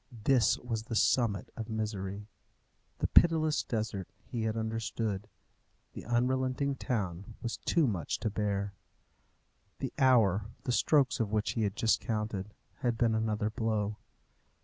This was the summit of misery. The pitiless desert he had understood; the unrelenting town was too much to bear. The hour, the strokes of which he had just counted, had been another blow.